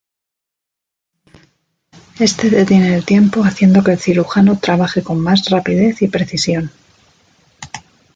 Éste detiene el tiempo, haciendo que el cirujano trabaje con más rapidez y precisión.